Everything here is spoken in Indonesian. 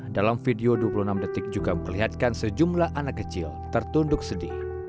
dalam video dua puluh enam detik juga memperlihatkan sejumlah anak kecil tertunduk sedih